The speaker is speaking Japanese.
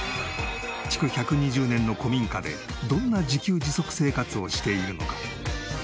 築１２０年の古民家でどんな自給自足生活をしているのか？